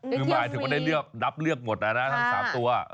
เมื่อมายถึงได้เลือกนับเลือกหมดแล้วนะทั้ง๓ตัว